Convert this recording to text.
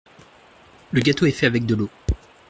Le gâteau est fait avec de l’eau.